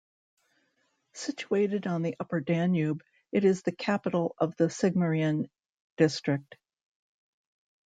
Situated on the upper Danube, it is the capital of the Sigmaringen district.